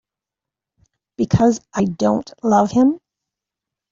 Because I don't love him.